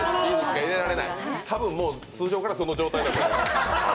多分、通常からその状態だと思います。